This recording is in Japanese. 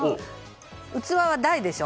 器は「大」でしょ。